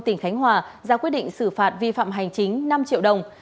tỉnh khánh hòa ra quyết định xử phạt vi phạm hành chính năm triệu đồng